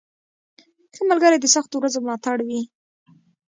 • ښه ملګری د سختو ورځو ملاتړ وي.